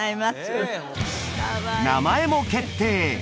名前も決定！